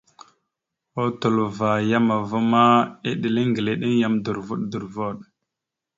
Otlovo aya a yam va ma, eɗel eŋgleɗeŋ yam dorvoɗvoɗ.